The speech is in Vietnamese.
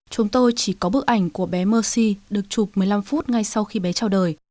chúng tôi chỉ có bức ảnh của bé mơsi được chụp một mươi năm phút ngay sau khi bé trao đời